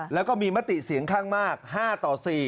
แล้วก็มีมติเสียงข้างมาก๕ต่อ๔